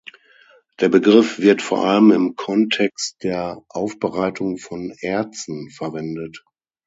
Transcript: Der Begriff wird vor allem im Kontext der Aufbereitung von Erzen verwendet.